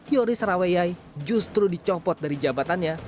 yoris sarawiyai justru dicopot dari jabatan ini